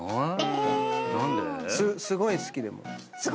すごい好きでも。